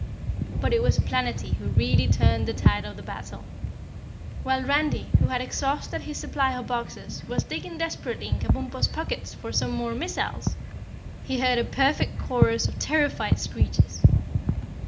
But it was Planetty who really turned the tide of battle. While Randy, who had exhausted his supply of boxes, was digging desperately in Kabumpo's pockets for some more missiles, he heard a perfect chorus of terrified screeches.